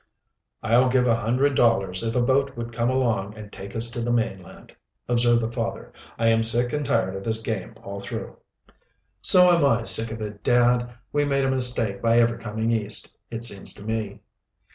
"I'd give a hundred dollars if a boat would come along and take us to the mainland," observed the father. "I am sick and tired of this game all through." "So am I sick of it, dad. We made a mistake by ever coming East, it seems to me."